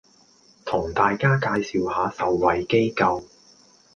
同大家介紹下受惠機構